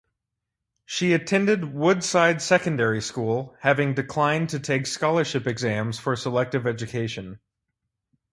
She attended Woodside Secondary School, having declined to take scholarship exams for selective education.